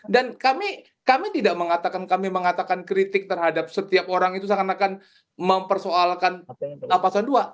dan kami tidak mengatakan kami mengatakan kritik terhadap setiap orang itu seakan akan mempersoalkan lapasan dua